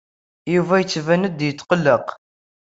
Yuba yettban-d yetqelleq.